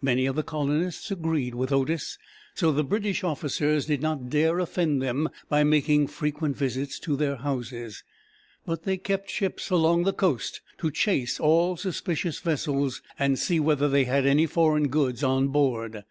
Many of the colonists agreed with Otis, so the British officers did not dare offend them by making frequent visits to their houses; but they kept ships along the coast to chase all suspicious vessels and see whether they had any foreign goods on board.